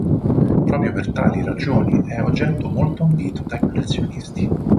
Proprio per tali ragioni è oggetto molto ambito dai collezionisti.